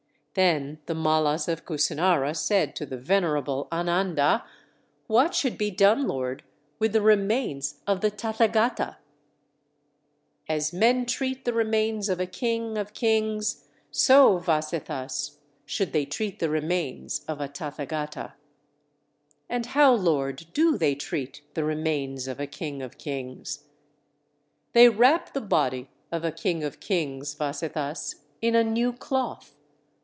Then the Mallas of Kusinara said to the venerable Ananda: "What should be done, Lord, with the remains of the Tathagata?" "As men treat the remains of a king of kings, so, Vasetthas, should they treat the remains of a Tathagata." "And how, Lord, do they treat the remains of a king of kings?" "They wrap the body of a king of kings, Vasetthas, in a new cloth.